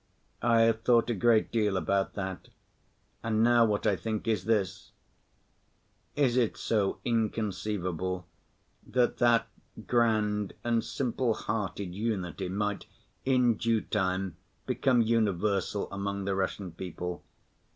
I have thought a great deal about that, and now what I think is this: Is it so inconceivable that that grand and simple‐hearted unity might in due time become universal among the Russian people?